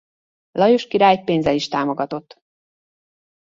Lajos király pénzzel is támogatott.